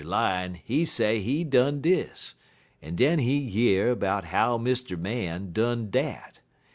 Lion, he say he done dis, en den he year 'bout how Mr. Man done dat.